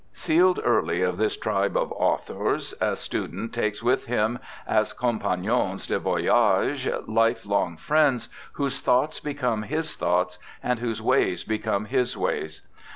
Sealed early of this tribe of authors, SIR THOMAS BROWNE 277 a student takes with him, as compagnons de voyage^ life long friends whose thoughts become his thoughts and whose ways become his ways.